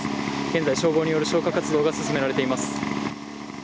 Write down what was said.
現在、消防による消火活動が進められています。